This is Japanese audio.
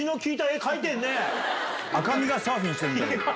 赤身がサーフィンしてる。